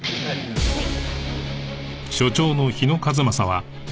はい。